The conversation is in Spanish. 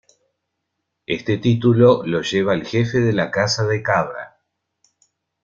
Este título lo lleva el jefe de la Casa de Cabra.